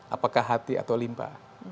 apakah hati atau limpa